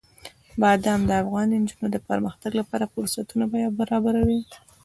بادام د افغان نجونو د پرمختګ لپاره فرصتونه برابروي.